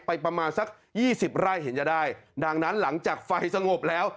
ประมาณสักยี่สิบไร่เห็นจะได้ดังนั้นหลังจากไฟสงบแล้ว